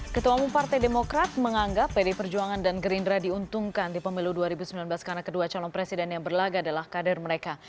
ketua umum partai demokrat menganggap pd perjuangan dan gerindra diuntungkan di pemilu dua ribu sembilan belas karena kedua calon presiden yang berlagak adalah kader mereka